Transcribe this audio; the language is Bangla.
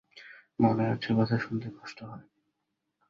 মনে হচ্ছে কথা শুনতে কষ্ট হয়।